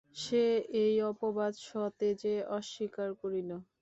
সে এই অপবাদ সতেজে অস্বীকার করিল।